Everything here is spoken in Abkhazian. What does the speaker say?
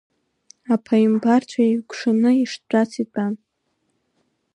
Аԥааимбарцәа еикәшаны иштәац итәан.